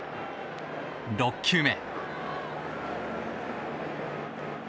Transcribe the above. ６球目。